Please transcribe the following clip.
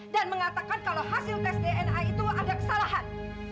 dan mengatakan kalau hasil tes dna itu ada kesalahan